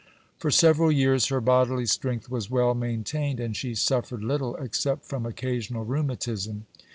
For several years her bodily strength was well maintained, and she suffered little, except from occasional rheumatism.